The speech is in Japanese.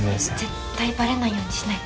絶対バレないようにしないと。